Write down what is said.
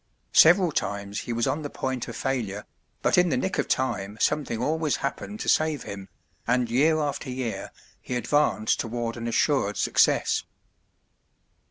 Several times he was on the point of failure, but in the nick of time something always happened to save him, and year after year he advanced toward an assured success.